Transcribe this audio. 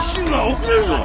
遅れるぞ！